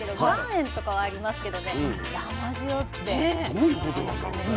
どういうことなんだろうね